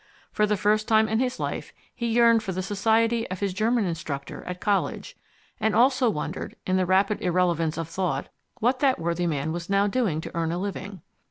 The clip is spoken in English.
For the first time in his life he yearned for the society of his German instructor at college, and also wondered in the rapid irrelevance of thought what that worthy man was now doing to earn a living.